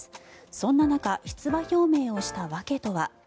そんな中、出馬表明をした訳とは。